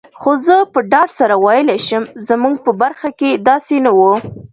خو زه په ډاډ سره ویلای شم، زموږ په برخه کي داسي نه وو.